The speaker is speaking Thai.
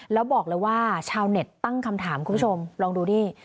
แล้วบอกเลยว่าชาวเน็ตตั้งคำถามคุณผู้ชมลองดูดิ